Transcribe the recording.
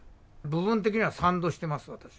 部分的には賛同してます、私。